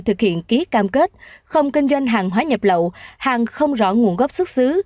thực hiện ký cam kết không kinh doanh hàng hóa nhập lậu hàng không rõ nguồn gốc xuất xứ